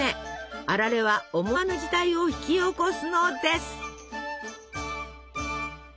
あられは思わぬ事態を引き起こすのです。